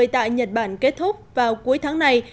tại nhật bản kết thúc vào cuối tháng này